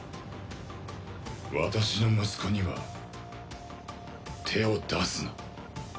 私の息子には手を出すな。